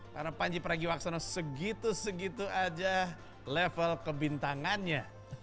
karena panji pragiwaksono segitu segitu aja level kebintangannya